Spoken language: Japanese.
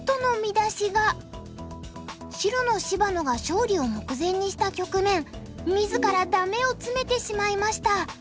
白の芝野が勝利を目前にした局面自らダメをツメてしまいました。